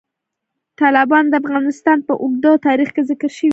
تالابونه د افغانستان په اوږده تاریخ کې ذکر شوی دی.